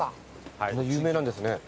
有名なんですね。